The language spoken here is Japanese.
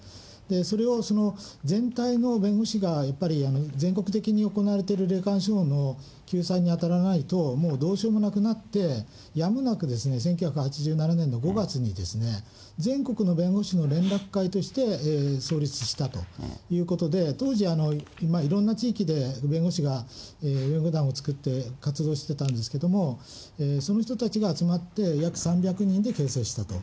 それを全体の弁護士がやっぱり全国的に行われている霊感商法の救済に当たらないともうどうしようもなくなって、やむなく１９８７年の５月に、全国の弁護士の連絡会として創立したということで、当時、いろんな地域で弁護士が弁護団を作って活動してたんですけれども、その人たちが集まって、約３００人で形成したと。